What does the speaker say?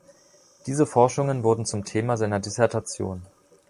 Diese Forschungen wurden zum Thema seiner Dissertation.